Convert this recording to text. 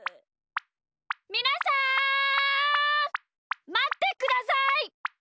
みなさんまってください！